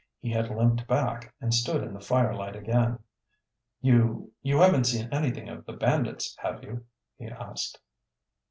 He had limped back and stood in the firelight again. "You you haven't seen anything of the bandits, have you?" he asked.